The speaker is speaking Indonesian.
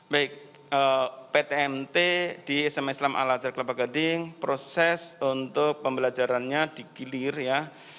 baik ptmt di sma islam al azhar kelapa gading proses untuk pembelajarannya digilir ya